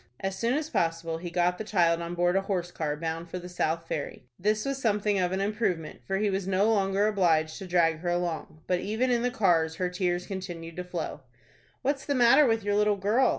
As soon as possible he got the child on board a horse car bound for the South Ferry. This was something of an improvement, for he was no longer obliged to drag her along. But even in the cars her tears continued to flow. "What's the matter with your little girl?"